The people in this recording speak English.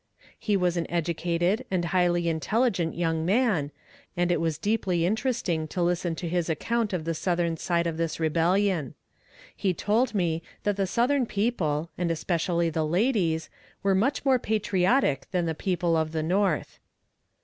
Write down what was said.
He was an educated, and highly intelligent young man, and it was deeply interesting to listen to his account of the Southern side of this rebellion. He told me that the Southern people, and especially the ladies, were much more patriotic than the people of the North.